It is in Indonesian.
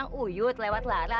neng amerika dan sebagainya